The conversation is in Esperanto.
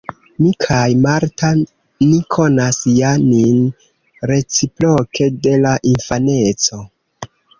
Mi kaj Marta ni konas ja nin reciproke de la infaneco.